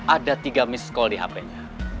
ada tiga miss call di hpnya